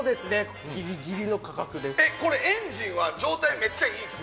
エンジンは状態、めっちゃいいですか？